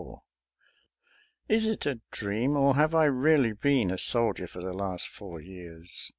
Is it a dream, or have I really been a soldier for the last four years?